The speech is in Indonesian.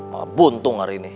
malah buntung hari ini